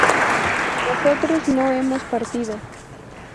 nosotros no hemos partido